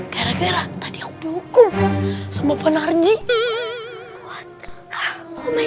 gara gara benedict yang bukun sop schedule